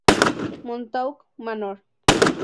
Montauk Manor.